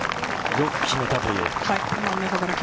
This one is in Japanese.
よく決めたという。